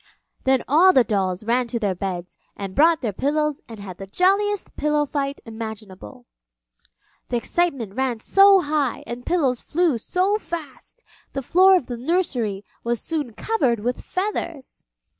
Then all the dolls ran to their beds and brought their pillows and had the jolliest pillow fight imaginable. The excitement ran so high and the pillows flew so fast, the floor of the nursery was soon covered with feathers.